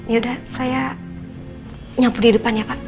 yaudah saya nyapu di depan ya pak